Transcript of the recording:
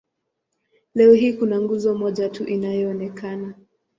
Leo hii kuna nguzo moja tu inayoonekana.